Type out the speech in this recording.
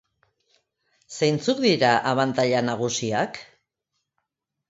Zeintzuk dira abantaila nagusiak?